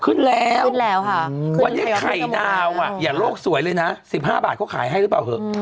ขึ้นแล้วค่ะวันนี้ไข่ดาวอย่างโลกสวยเลย๑๕บาทก็ขายไหร่เปล่าหรือเปล่า